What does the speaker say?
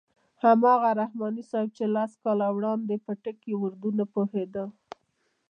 هماغه رحماني صاحب چې لس کاله وړاندې په ټکي اردو نه پوهېده.